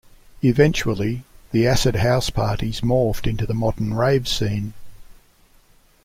Eventually the acid house parties morphed into the modern rave scene.